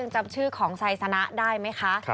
จำชื่อของไซสนะได้ไหมคะ